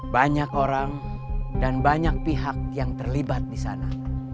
banyak orang dan banyak pihak yang terlibat di sana